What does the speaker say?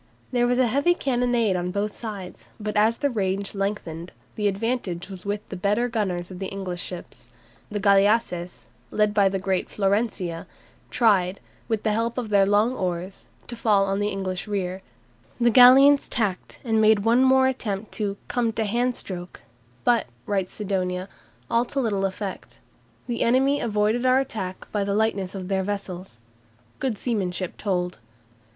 There was a heavy cannonade on both sides, but as the range lengthened, the advantage was with the better gunners of the English ships. The galleasses, led by the great "Florencia," tried, with the help of their long oars, to fall on the English rear, the galleons tacked and made one more attempt "to come to hand stroke," but, writes Sidonia, "all to little effect, the enemy avoiding our attack by the lightness of their vessels." Good seamanship told.